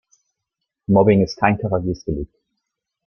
Mobbing ist kein Kavaliersdelikt.